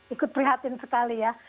ikut prihatin sekali ya